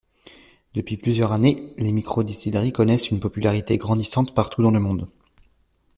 Depuis plusieurs années, les microdistilleries connaissent une popularité grandissante partout dans le monde.